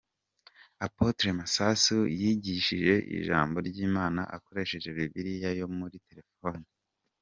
Apotre Masasu yigishije ijambo ry’Imana akoresheje Bibiliya yo muri telefone.